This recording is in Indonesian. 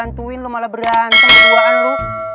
lu bantuin lu malah berantem perbuahan lu